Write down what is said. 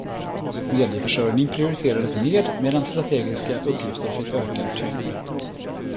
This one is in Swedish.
Medieförsörjning prioriterades ned medan mer strategiska uppgifter fick ökad tyngd.